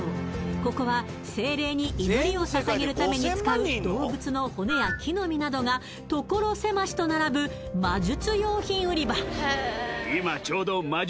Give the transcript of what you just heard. ここは精霊に祈りをささげるために使う動物の骨や木の実などが所狭しと並ぶ雛形